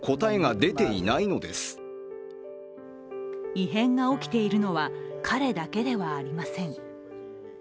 異変が起きているのは彼だけではありません。